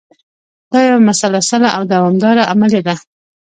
دا یوه مسلسله او دوامداره عملیه ده.